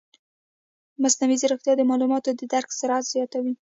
مصنوعي ځیرکتیا د معلوماتو د درک سرعت زیاتوي.